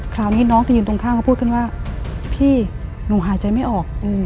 คราวนี้น้องที่ยืนตรงข้างเขาพูดขึ้นว่าพี่หนูหายใจไม่ออก